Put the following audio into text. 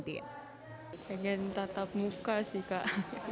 saya ingin tatap muka sih kak